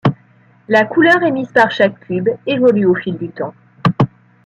La couleur émise par chaque cube évolue au fil du temps.